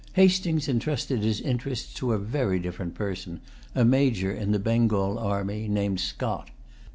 Hastings entrusted his interests to a very different person, a major in the Bengal army, named Scott.